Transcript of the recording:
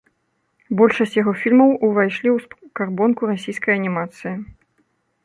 Большасць яго фільмаў увайшлі ў скарбонку расійскай анімацыі.